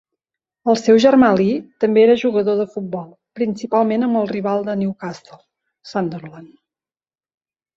El seu germà Lee també era jugador de futbol, principalment amb el rival de Newcastle, Sunderland.